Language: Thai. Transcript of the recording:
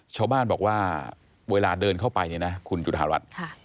ชาวบ้านบอกว่าเวลาเดินเข้าไปเนี่ยนะคุณจุธารัฐ